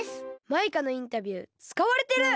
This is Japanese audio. マイカのインタビューつかわれてる！